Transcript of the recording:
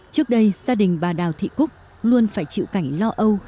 trước đây gia đình bà đào thị cúc luôn phải chịu cảnh lo âu